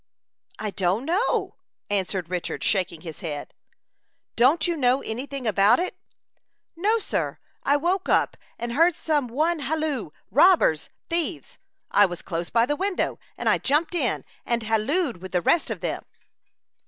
"I don't know," answered Richard, shaking his head. "Don't you know any thing about it?" "No, sir. I woke up, and heard some one halloo, Robbers! thieves! I was close by the window, and I jumped in, and hallooed with the rest of them."